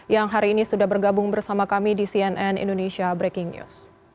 yang hari ini sudah bergabung bersama kami di cnn indonesia breaking news